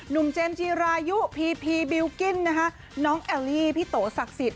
เจมส์จีรายุพีพีบิลกิ้นนะคะน้องแอลลี่พี่โตศักดิ์สิทธิ